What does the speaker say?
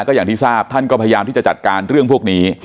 ก็อย่างที่ทราบท่านก็พยายามที่จะจัดการเรื่องพวกนี้